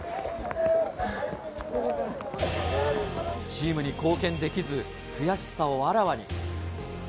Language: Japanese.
チームに貢献できず、悔しさをあらわに。